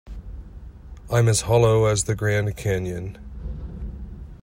I'm as hollow as the Grand Canyon.